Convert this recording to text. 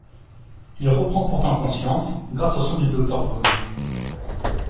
Il reprend pourtant conscience grâce aux soins du docteur Brumpt.